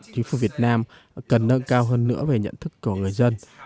chính phủ việt nam cần nâng cao hơn nữa về nhận thức của người dân